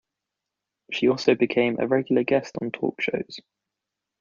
She also became a regular guest on talk shows.